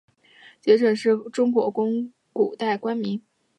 谒者是中国古代官名。